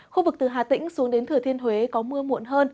khu vực từ hà tĩnh xuống đến thừa thiên huế có mưa muộn hơn